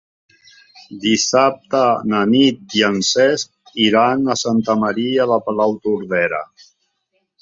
Dissabte na Nit i en Cesc iran a Santa Maria de Palautordera.